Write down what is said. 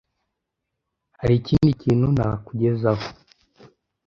Hari ikindi kintu nakugezaho?